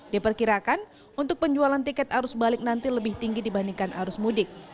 diperkirakan untuk penjualan tiket arus balik nanti lebih tinggi dibandingkan arus mudik